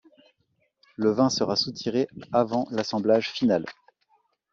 Le vin sera soutiré avant l’assemblage final.